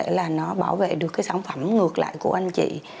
vừa có thể là nó bảo vệ được cái sản phẩm ngược lại của anh chị